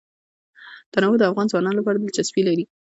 تنوع د افغان ځوانانو لپاره دلچسپي لري.